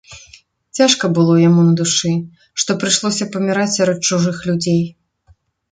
Цяжка было яму на душы, што прыйшлося паміраць сярод чужых людзей.